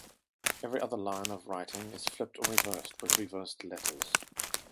Every other line of writing is flipped or reversed, with reversed letters.